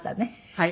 はい。